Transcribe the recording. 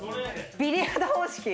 ビリヤード方式？